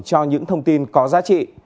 cho những thông tin có giá trị